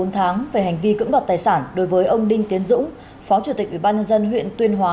bốn tháng về hành vi cưỡng đoạt tài sản đối với ông đinh tiến dũng phó chủ tịch ubnd huyện tuyên hóa